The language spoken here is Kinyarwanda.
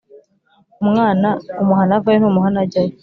Umwana umuhana avayo ntumuhana ajyayo.